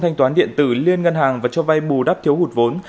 thanh toán điện tử liên ngân hàng và cho vay bù đắp thiếu hụt vốn